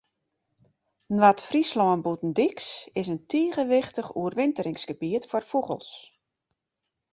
Noard-Fryslân Bûtendyks is in tige wichtich oerwinteringsgebiet foar fûgels.